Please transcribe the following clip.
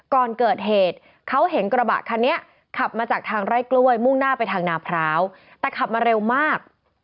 ก่อนเกิดเหตุเขาเห็นกระบะคันนี้ขับมาจากทางไร่กล้วยมุ่งหน้าไปทางนาพร้าวแต่ขับมาเร็วมาก